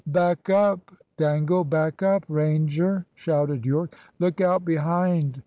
"Back up, Dangle! back up, Ranger!" shouted Yorke. "Look out behind!"